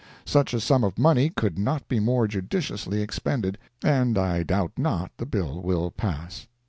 Such a sum of money could not be more judiciously expended, and I doubt not the bill will pass.